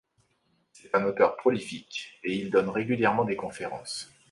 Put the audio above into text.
C'est un auteur prolifique et il donne régulièrement des conférences.